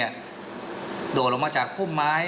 โดดลงมาจากพุ่มไม้